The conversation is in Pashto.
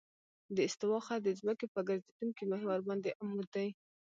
د استوا خط د ځمکې په ګرځېدونکي محور باندې عمود دی